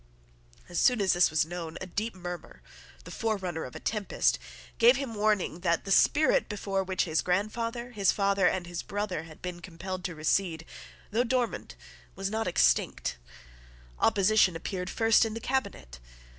As soon as this was known, a deep murmur, the forerunner of a tempest, gave him warning that the spirit before which his grandfather, his father, and his brother had been compelled to recede, though dormant, was not extinct. Opposition appeared first in the cabinet.